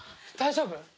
大丈夫？